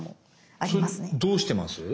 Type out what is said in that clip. それどうしてます？